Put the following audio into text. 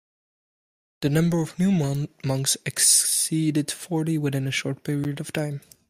The number of new monks exceeded forty within a short period of time.